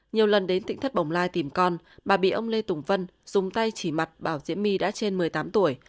nhiều lần đến tỉnh thất bồng lai tìm con bà bị ông lê tùng vân dùng tay chỉ mặt bảo diễm my đã trên một mươi tám tuổi